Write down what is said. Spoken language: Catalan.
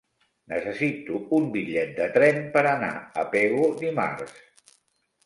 Necessito un bitllet de tren per anar a Pego dimarts.